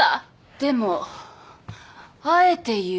でもあえて言う。